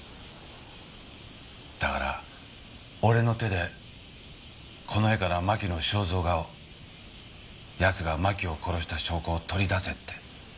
だから俺の手でこの絵から真紀の肖像画を奴が真紀を殺した証拠を取り出せって。